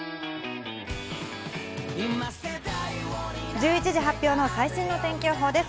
１１時発表の最新の天気予報です。